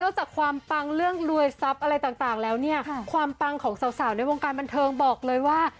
จากความปังเรื่องรวยทรัพย์อะไรต่างแล้วเนี่ยความปังของสาวในวงการบันเทิงบอกเลยว่า